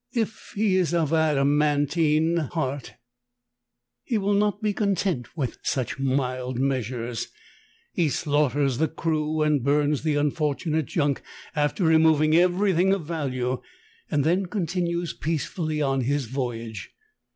If he is of adaman tine heart he will not be content with such mild measures ; he slaughters the crew and burns the unfortunate junk after removing everything of value, and then eontinues peaeefully on his voyage.